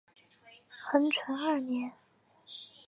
咸淳二年。